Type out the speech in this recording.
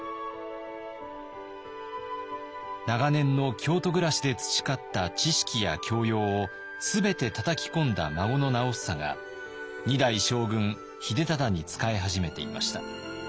長年の京都暮らしで培った知識や教養を全てたたき込んだ孫の直房が二代将軍秀忠に仕え始めていました。